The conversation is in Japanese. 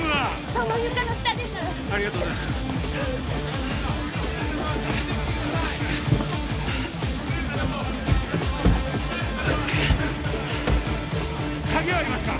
その床の下ですありがとうございます鍵はありますか？